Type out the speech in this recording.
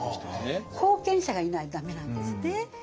後見者がいないと駄目なんですね。